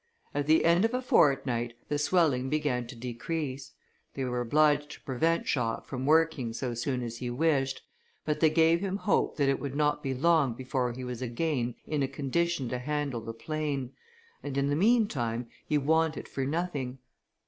At the end of a fortnight, the swelling began to decrease. They were obliged to prevent Jacques from working so soon as he wished, but they gave him hope that it would not be long before he was again in a condition to handle the plane; and in the mean time he wanted for nothing.